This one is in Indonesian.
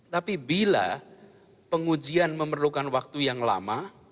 tapi bila pengujian memerlukan waktu yang lama